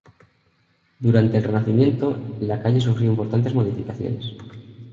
Durante el Renacimiento la calle sufrió importantes modificaciones.